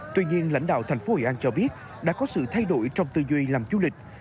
tuy nhiên lãnh đạo thành phố hội an cho biết đã có sự thay đổi trong tư duy làm du lịch